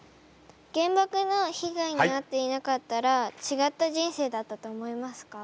原爆の被害にあっていなかったらちがった人生だったと思いますか？